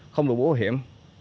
không đủ bổ hiểm